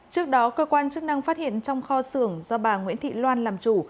trước đó cơ quan chức năng phát hiện trong kho xưởng do bà nguyễn thị loan làm chủ